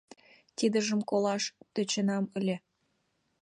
— Тидыжым колаш тӧченам ыле.